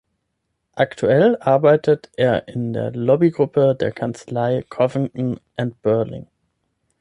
Aktuell arbeitet er in der Lobby-Gruppe der Kanzlei Covington and Burling.